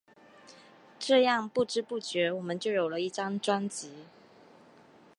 这样不知不觉我们就有了一张专辑。